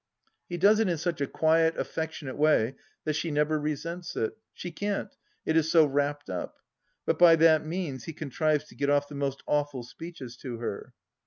He does it in such a quiet, affectionate way that she never resents it ; she can't, it is so wrapped up ; but by that means he contrives to get off the most awful speeches to her.